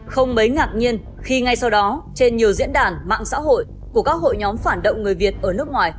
không mấy ngạc nhiên khi ngay sau đó trên nhiều diễn đàn mạng xã hội của các hội nhóm phản động người việt ở nước ngoài